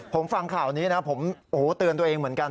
ผมฟังข่าวนี้นะผมโอ้โหเตือนตัวเองเหมือนกัน